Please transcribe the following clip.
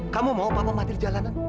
kamu mau pak maman hadir jalanan